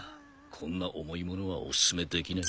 こんな重いものはお薦めできない。